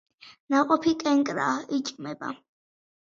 ნაყოფი კენკრაა, იჭმება.